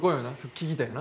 聞きたいな。